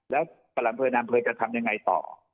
แล้วประหลังเพลินอำเภอจะทำยังไงต่อ